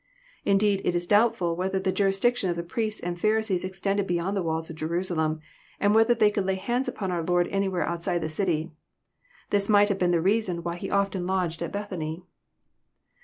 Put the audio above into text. Indeied, it is doubtfhl whether the Jurisdiction of the priests and Pharisees extended beyond the walls of Jerusa lem, and whether they could lay hands upon our Lord anywhere outside the city. This might have been the reason why He often lodged at Bethany.